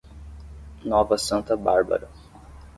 Nova Santa Bárbara